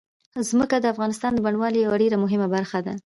ځمکه د افغانستان د بڼوالۍ یوه ډېره مهمه برخه ده.